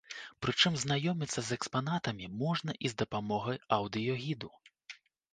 Прычым знаёміцца з экспанатамі можна і з дапамогаю аўдыёгіду.